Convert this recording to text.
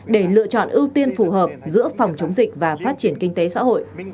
để lựa chọn ưu tiên phù hợp giữa phòng chống dịch và phát triển kinh tế xã hội